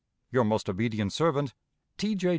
Your most obedient servant, "T. J.